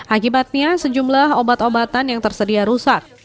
akibatnya sejumlah obat obatan yang tersedia rusak